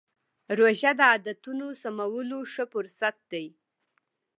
روژه د عادتونو سمولو ښه فرصت دی.